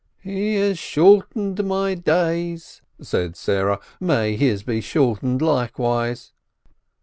"He has shortened my days," said Sarah, "may his be shortened likewise."